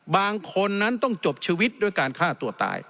บางคนนั้นต้องจบชีวิตด้วยการฆ่าตัวตาย